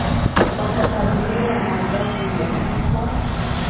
watakabiliwa na adhabu ya kifo